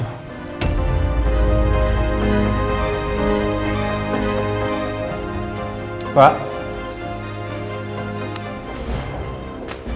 mungkin mereka banyak musuh